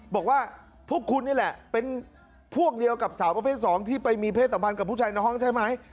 บอกว่าพวกคุณนี่แหละเป็นพวกเดียวกับสาวประเภท๒ที่ไปมีเพศสัมพันธ์กับผู้ชายในห้องใช่ไหม